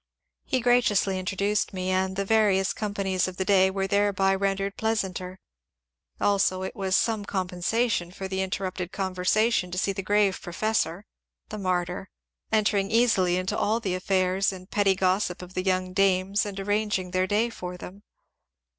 He graciously introduced me, and the various companies of the day were thereby rendered plea santer ; also it was some compensation for the interrupted con versation to see the grave professor (the martyr !) entering easily into all the affairs and pretty gossip of the young dames and arranging their day for them.